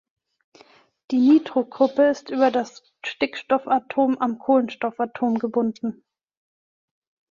Die Nitrogruppe ist über das Stickstoffatom am Kohlenstoffatom gebunden.